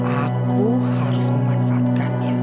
aku harus memanfaatkanmu